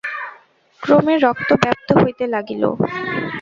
ক্রমে রক্ত ব্যাপ্ত হইতে লাগিল।